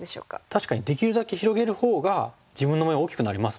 確かにできるだけ広げるほうが自分の模様大きくなりますもんね。